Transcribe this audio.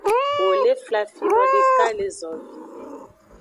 Wo le flafino deka le zovi.